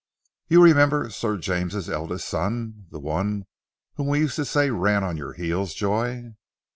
"You remember Sir James' eldest son, the one whom we used to say ran on your heels, Joy?"